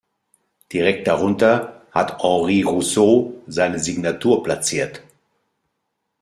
Direkt darunter hat Henri Rousseau seine Signatur platziert.